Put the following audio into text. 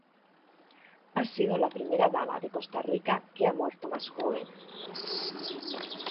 Ha sido la Primera Dama de Costa Rica que ha muerto más joven.